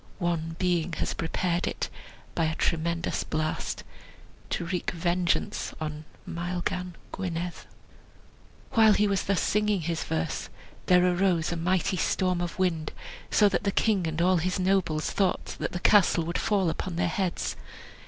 One Being has prepared it, By a tremendous blast, To wreak vengeance On Maelgan Gwynedd." While he was thus singing his verse, there arose a mighty storm of wind, so that the king and all his nobles thought that the castle would fall upon their heads.